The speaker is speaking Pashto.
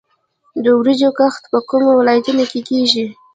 د وریجو کښت په کومو ولایتونو کې کیږي؟